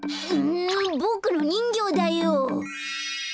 ボクのにんぎょうだよ。